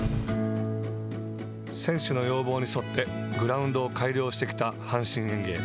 選手の要望に沿ってグラウンドを改良してきた阪神園芸。